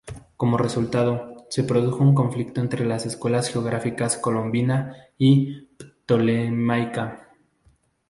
Como resultado, se produjo un conflicto entre las escuelas geográficas colombina y ptolemaica.